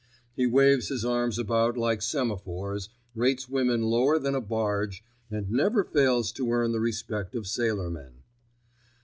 He waves his arms about like semaphores, rates woman lower than a barge, and never fails to earn the respect of sailormen.